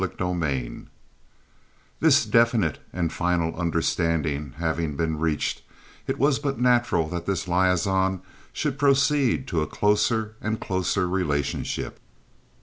Chapter XX This definite and final understanding having been reached, it was but natural that this liaison should proceed to a closer and closer relationship.